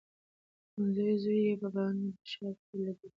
منځوی زوی یې په بن ښار کې له دې سره یوځای ژوند کوي.